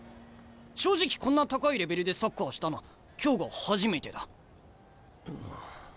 正直こんな高いレベルでサッカーしたの今日が初めてだ！